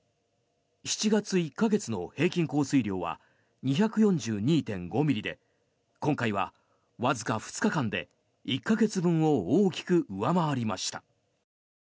７月１か月の平均降水量は２４２．５ミリで今回はわずか２日間で１か月分を大きく上回りました。